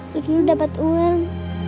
tani lu dapat uang